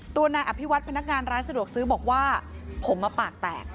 ตัวนายอภิวัตนิษฐานพนักงานร้านสะดวกซืบอกว่าผมมาปากแตก